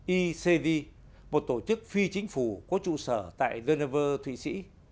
icg một tổ chức phi chính phủ có trụ sở tại geneva thụy sĩ